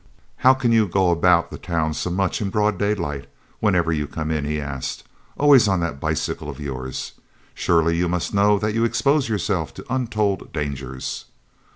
"How can you go about the town so much in broad daylight, whenever you come in?" he asked. "Always on that bicycle of yours! Surely you must know that you expose yourself to untold dangers!"